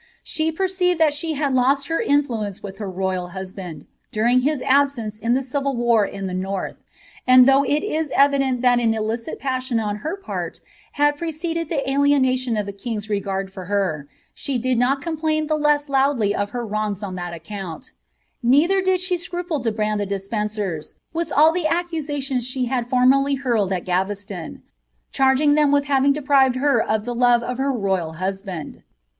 She perceived that she had lost her influence with her royal husband, durinff his absence in the civil war in the north ; and though it is evi dent Uiat an illicit passion on her part had preceded the alienation of the king^s regard for her, she did not complain the less loudly of her wrongs on tJ»t account ; neither did she scruple to brand the Despencers with all the accusations she had formerly hurled at Gaveston, charging them with having deprived her of the love of her royal husband.'